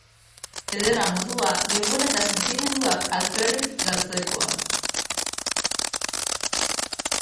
Ederra modua, denbora eta sentimenduak alferrik galtzekoa.